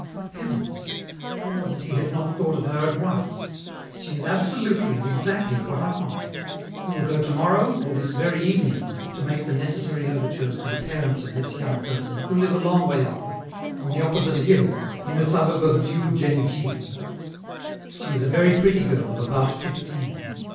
Heavens! how was it he had not thought of her at once? She is absolutely and exactly what I want; he will go to morrow, or this very evening, to make the necessary overtures to the parents of this young person, who live a long way off, on the opposite hill, in the suburb of Diou djen dji. She is a very pretty girl of about fifteen.